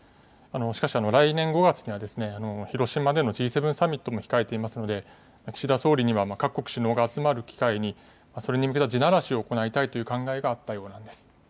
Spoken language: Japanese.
しかし、来年５月には広島でのＧ７サミットも控えていますので岸田総理には各国首脳が集まる機会にそれに向けた地ならしを行いたいという考えがあったようなんです。